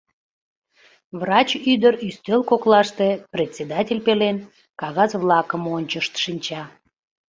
Врач ӱдыр ӱстел коклаште, председатель пелен, кагаз-влакым ончышт шинча.